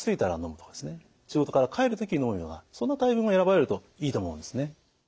仕事から帰る時にのむようなそんなタイミングを選ばれるといいと思うんですね。